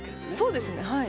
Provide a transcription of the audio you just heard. そうですねはい。